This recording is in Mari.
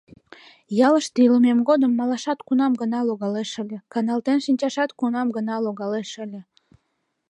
Ялыште илымем годым малашат кунам гына логалеш ыле, каналтен шинчашат кунам гына логалеш ыле.